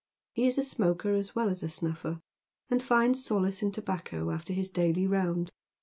He is a smoker as well as a snuffer, and finds solace in tobacco after his daily round.